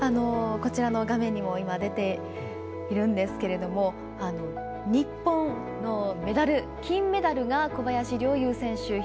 画面にもでているんですけれども日本のメダル、金メダルが小林陵侑選手